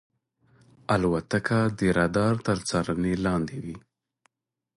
الوتکه د رادار تر څارنې لاندې وي.